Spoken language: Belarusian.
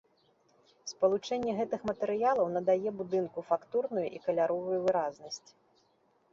Спалучэнне гэтых матэрыялаў надае будынку фактурную і каляровую выразнасць.